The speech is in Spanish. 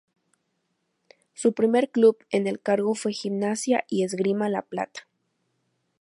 Su primer club en el cargo fue Gimnasia y Esgrima La Plata.